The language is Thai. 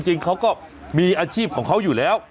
จริงเขาก็มีอาชีพของเขาอยู่แล้ว